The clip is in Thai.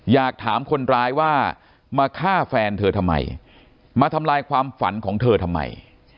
อยากถามคนร้ายว่ามาฆ่าแฟนเธอทำไมมาทำลายความฝันของเธอทำไม